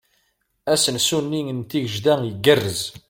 Asensu-nni n Tigejda igarrez.